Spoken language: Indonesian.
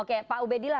oke pak ubedila